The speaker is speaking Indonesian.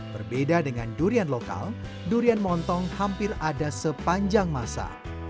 berbeda dengan durian lokal durian montong hampir ada sepanjang masa